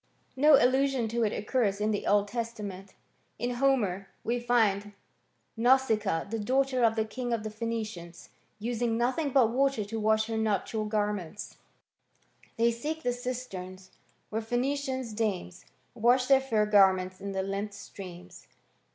No allusion to it occurs in the Old Testament. In Homer, we find Nausicaa^ the daughter of the King of the Phseacians, using nothing but water to wash her nuptial garments: They seek the cisterns where Pheacian dmmes Wash their fair garments in the limped Btreams ;^.